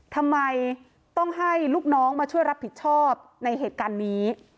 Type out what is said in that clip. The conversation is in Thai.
ทำไมต้องให้ลูกน้องมาช่วยรับผิดชอบในเหตุการณ์นี้